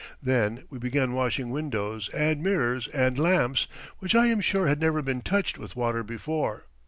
Then we began washing windows and mirrors and lamps, which I am sure had never been touched with water before.